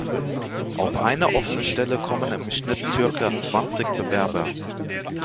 Auf eine offene Stelle kommen im Schnitt circa zwanzig Bewerber.